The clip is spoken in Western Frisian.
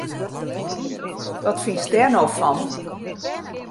Wat fynst dêr no fan!